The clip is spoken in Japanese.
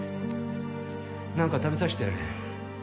何か食べさせてやれ。